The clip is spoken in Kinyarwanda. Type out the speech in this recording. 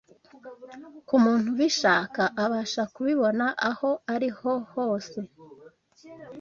Ku muntu ubishaka, abasha kubibona aho ariho hose